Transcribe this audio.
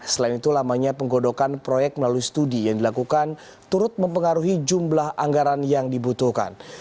selain itu lamanya penggodokan proyek melalui studi yang dilakukan turut mempengaruhi jumlah anggaran yang dibutuhkan